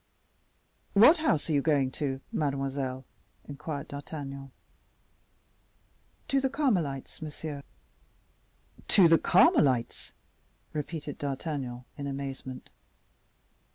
"What house are you going to, mademoiselle?" inquired D'Artagnan. "To the Carmelites, monsieur." "To the Carmelites?" repeated D'Artagnan, in amazement.